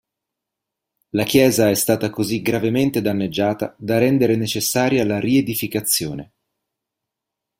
La chiesa è stata così gravemente danneggiata da rendere necessaria la riedificazione.